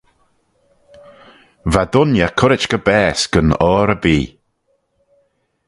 Va dooinney currit gy baase gyn oyr erbee.